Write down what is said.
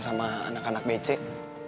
sama anak anak becek